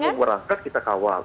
kita sudah berangkat kita kawal